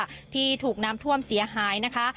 ส่วนปลามเกือบ๓๐ไร่ค่ะที่ถูกน้ำท่วมเสียหายนะคะ